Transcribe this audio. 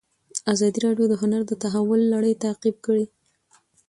ازادي راډیو د هنر د تحول لړۍ تعقیب کړې.